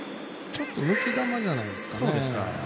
ちょっと抜け球じゃないですかね。